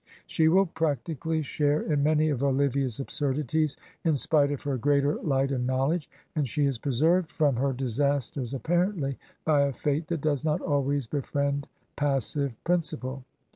She will practically share in many of Olivia's absurdities in spite of her greater light and knowledge, and she is preserved from her disasters apparently by a fate that does not always befriend passive principle.